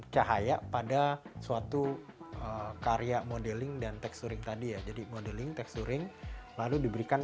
cahaya pada suatu karya modeling dan teksturing tadi ya jadi modeling teksturing lalu diberikan